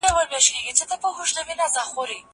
دا واښه له هغه پاکه ده؟!